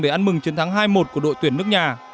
để ăn mừng chiến thắng hai một của đội tuyển nước nhà